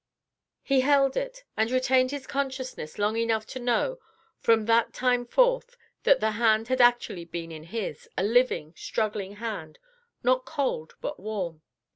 He held it, and retained his consciousness long enough to know from that time forth that the hand had actually been in his a living, struggling hand, not cold, but warm.